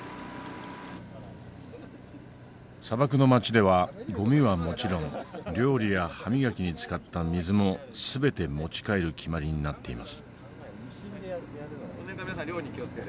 砂漠の街ではゴミはもちろん料理や歯磨きに使った水も全て持ち帰る決まりになっています。